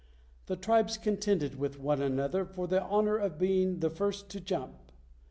The tribes contended with one another for the honor of being the first to jump.